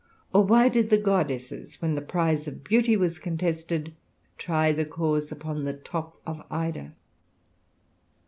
or why did the goddesses, when the prize of beauty was contested, try the cause upon the top of Ida